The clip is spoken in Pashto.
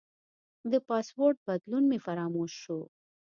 د پاسورډ بدلون مې فراموش شو.